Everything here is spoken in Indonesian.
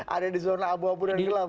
ada di zona abu abu dan gelap